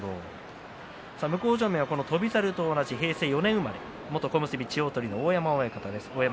向正面は翔猿と同じ平成４年生まれ元小結千代鳳の大山親方です。